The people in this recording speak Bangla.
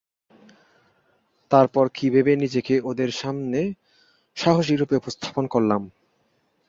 তারপর কী ভেবে নিজেকে ওদের সামনে সাহসীরুপে উপস্থাপন করলাম।